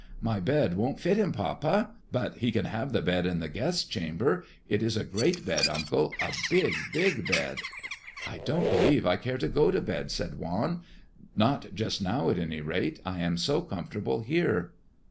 "My bed won't fit him, papa! But he can have the bed in the guests' chamber. It is a great bed, uncle, a big, big bed!" "I don't believe I care to go to bed," said Juan. "Not just now at any rate, I am so comfortable here."